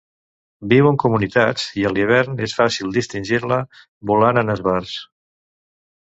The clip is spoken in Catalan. Viu en comunitats i a l'hivern és fàcil distingir-la volant en esbarts.